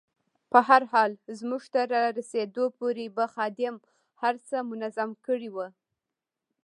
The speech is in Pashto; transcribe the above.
په هر حال زموږ تر راستنېدا پورې به خادم هر څه منظم کړي ول.